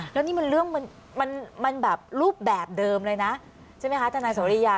แล้วนี่มันเรื่องมันแบบรูปแบบเดิมเลยนะใช่ไหมคะทนายสริยา